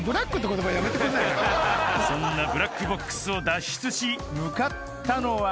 ［そんなブラックボックスを脱出し向かったのは］